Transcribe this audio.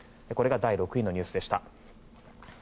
これが第６位のニュースでした。